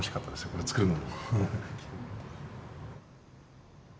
これ作るの。